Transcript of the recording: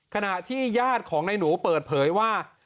ขณะที่ญาติของนายหนูเปิดเผยว่า